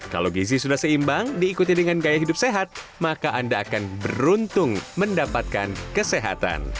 kalau gizi sudah seimbang diikuti dengan gaya hidup sehat maka anda akan beruntung mendapatkan kesehatan